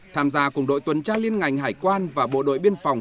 tham gia cùng đội tuần tra liên ngành hải quan và bộ đội biên phòng